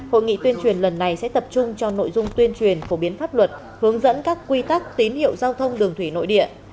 hội nghị tuyên truyền lần này sẽ tập trung cho nội dung tuyên truyền phổ biến pháp luật hướng dẫn các quy tắc tín hiệu giao thông đường thủy nội địa